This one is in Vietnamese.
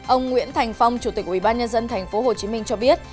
ông nguyễn thành phong chủ tịch ủy ban nhân dân tp hcm cho biết